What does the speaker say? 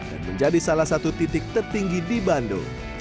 dan menjadi salah satu titik tertinggi di bandung